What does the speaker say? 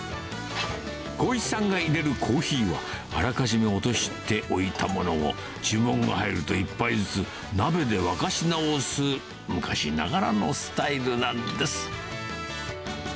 光一さんがいれるコーヒーは、あらかじめ落としておいたものを、注文が入ると一杯ずつ、鍋で沸かし直す、昔ながらのスタイルなんです。